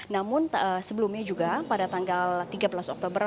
namun sebelumnya juga pada tanggal tiga belas oktober